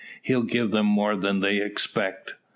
He'll give them more than they expect."